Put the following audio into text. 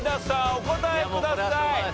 お答えください。